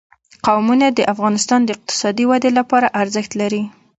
قومونه د افغانستان د اقتصادي ودې لپاره ارزښت لري.